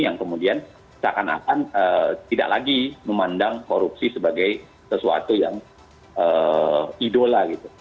yang kemudian seakan akan tidak lagi memandang korupsi sebagai sesuatu yang idola gitu